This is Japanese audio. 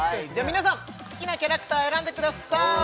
皆さん好きなキャラクター選んでください